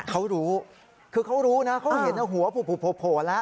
เขารู้คือเขารู้นะเขาเห็นหัวโผล่แล้ว